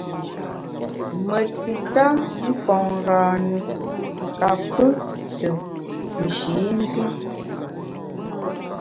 Me tita mfôn râne ka pkù tù nshî mvi.